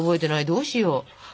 どうしよう。